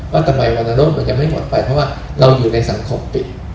ว่าทำไมวรรณโรคมันยังไม่หมดไปเพราะว่าเราอยู่ในสังคมปิด